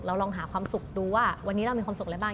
ลองหาความสุขดูว่าวันนี้เรามีความสุขอะไรบ้าง